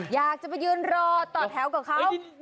อยากจะไปยืนรอต่อแถวกับเขา